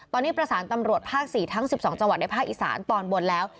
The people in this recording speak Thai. ตอนนี้ประสานตำรวจภาค๔ทั้ง๑๒จังหวัดในภาคอีสานตอนบนแล้ว